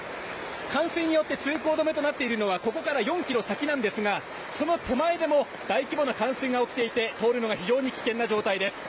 冠水によって通行止めとなっているのはここから４キロ先ですがその手前でも大規模な冠水が起きていて通るのは非常に大変な状態です。